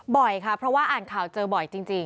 บ่อยค่ะเพราะว่าอ่านข่าวเจอบ่อยจริง